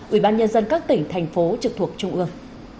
ủy ban nhân dân các tỉnh thành phố trực thuộc trung ương